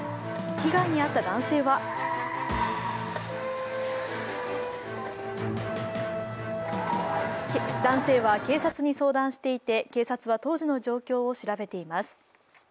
被害に遭った男性は男性は警察に相談していて警察は当時の状況を調べています。